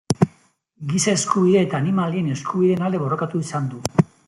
Giza eskubide eta animalien eskubideen alde borrokatu izan du.